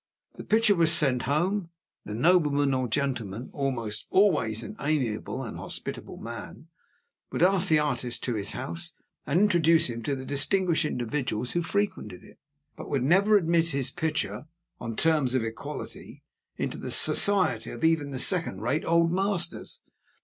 The picture was sent home; the nobleman or gentleman (almost always an amiable and a hospitable man) would ask the artist to his house and introduce him to the distinguished individuals who frequented it; but would never admit his picture, on terms of equality, into the society even of the second rate Old Masters.